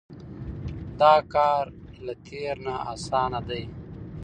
دا کار له تېر نه اسانه دی.